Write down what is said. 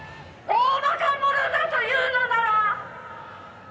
「大馬鹿者だと言うのなら！」